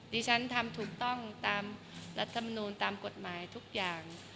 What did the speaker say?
ดิฉันทำถูกต้องตามรัฐมนูลตามกฎหมายทุกอย่าง